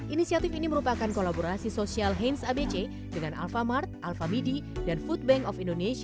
inisiatif ini merupakan kolaborasi sosial hands abc dengan alfamart alfamidi dan food bank of indonesia